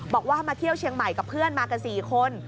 บอกว่ามาเที่ยวเชียงใหม่กับเพื่อนมากัน๔คน